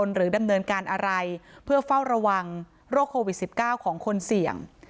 หรือดำเนินการอะไรเพื่อเฝ้าระวังโรคโควิด๑๙ของคนเสี่ยง